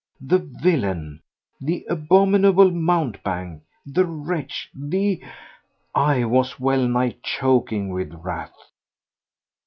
The villain! The abominable mountebank! The wretch! The ... I was wellnigh choking with wrath.